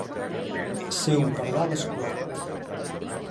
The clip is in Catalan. Ser un pardal escuat.